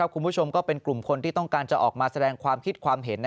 คุณผู้ชมก็เป็นกลุ่มคนที่ต้องการจะออกมาแสดงความคิดความเห็น